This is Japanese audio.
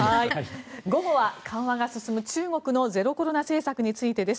午後は緩和が進む中国のゼロコロナ政策についてです。